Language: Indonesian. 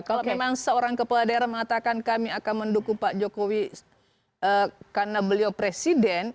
kalau memang seorang kepala daerah mengatakan kami akan mendukung pak jokowi karena beliau presiden